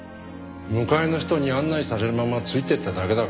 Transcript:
迎えの人に案内されるままついて行っただけだから。